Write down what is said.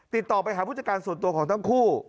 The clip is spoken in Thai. ติดต่อไปหาผู้จัดการส่วนตัวของทั้งคู่